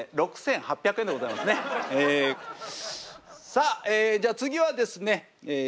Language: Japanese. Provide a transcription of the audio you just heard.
さあじゃあ次はですねええ